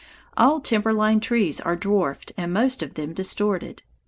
All timber line trees are dwarfed and most of them distorted.